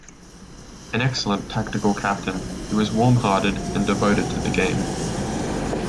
An excellent tactical captain, he was warmhearted and devoted to the game.